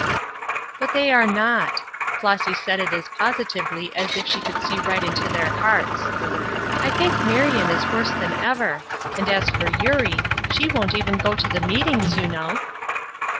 "But they are not." Flossy said it as positively as if she could see right into their hearts. "I think Marion is worse than ever; and as for Eurie, she won't even go to the meetings, you know."